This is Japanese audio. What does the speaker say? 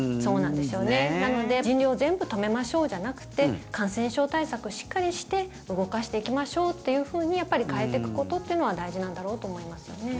なので、人流を全部止めましょうじゃなくて感染症対策しっかりして動かしていきましょうというふうに変えていくことというのは大事なんだろうと思いますよね。